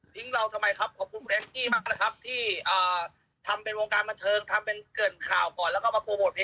ทิ้งเราทำไมครับขอบคุณคุณแอคกี้มากนะครับที่